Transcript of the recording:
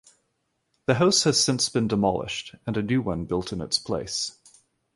The house has since been demolished, and a new one built in its place.